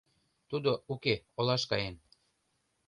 — Тудо уке, олаш каен.